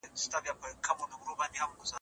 پلان د موخو د ترلاسه کولو وسیله ده.